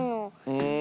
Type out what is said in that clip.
うん。